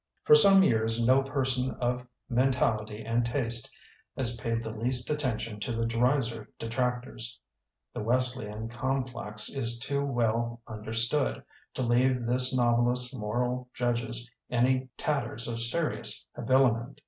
For some years no person of men tality and taste has paid the least at tention to the Dreiser detractors. The Wesleyan complex is too well under stood to leave this novelist's moral judges any tatters of serious habili ment.